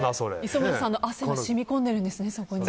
磯村さんの汗が染み込んでるんですね、そこに。